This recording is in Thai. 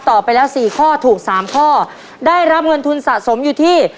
ไปแล้วสี่ข้อถูก๓ข้อได้รับเงินทุนสะสมอยู่ที่